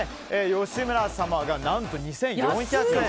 吉村様が何と２４００円。